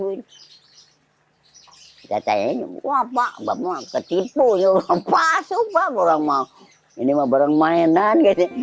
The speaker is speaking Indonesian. ini mah barang mainan